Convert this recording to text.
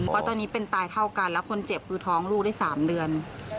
เพราะตอนนี้เป็นตายเท่ากันแล้วคนเจ็บคือท้องลูกได้๓เดือน